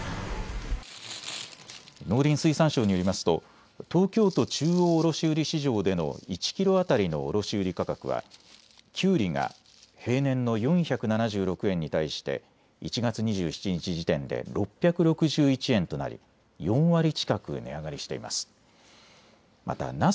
農林水産省によりますと東京都中央卸売市場での１キロ当たりの卸売価格はきゅうりが平年の４７６円に対して１月２７日時点で６６１円となり４割近く値上がりしています。